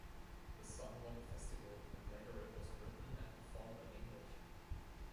The song won the festival, and later it was written and performed in English.